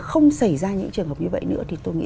không xảy ra những trường hợp như vậy nữa thì tôi nghĩ